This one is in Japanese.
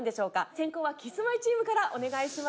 先攻はキスマイチームからお願いします。